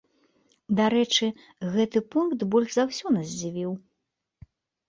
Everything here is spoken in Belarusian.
Дарэчы, гэты пункт больш за ўсе нас здзівіў.